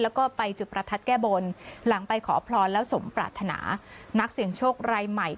แล้วก็ไปจุดประทัดแก้บนหลังไปขอพรแล้วสมปรารถนานักเสี่ยงโชครายใหม่